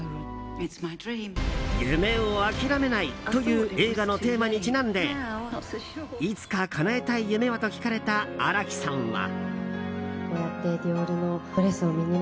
夢を諦めない！という映画のテーマにちなんでいつかかなえたい夢は？と聞かれた新木さんは。